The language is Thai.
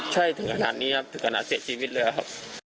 ใช่ถึงขนาดนี้ครับถึงขนาดเสียชีวิตเลยครับ